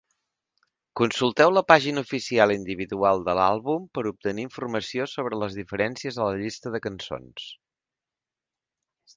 Consulteu la pàgina oficial individual de l'àlbum per obtenir informació sobre les diferències a la llista de cançons.